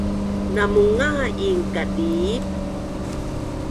Namungain kadiip